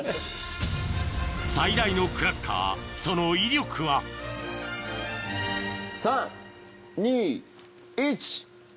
最大のクラッカーその威力は３・２・１。